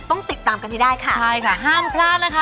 ต้องติดตามกันให้ได้ค่ะใช่ค่ะห้ามพลาดนะคะ